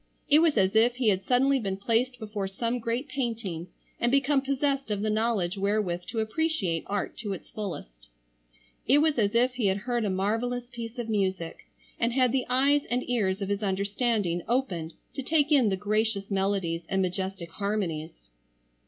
It was as if he had suddenly been placed before some great painting and become possessed of the knowledge wherewith to appreciate art to its fullest. It was as if he had heard a marvellous piece of music and had the eyes and ears of his understanding opened to take in the gracious melodies and majestic harmonies.